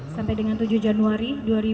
sampai dengan tujuh januari dua ribu lima belas